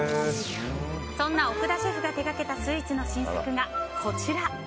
そんな奥田シェフが手掛けたスイーツの新作がこちら。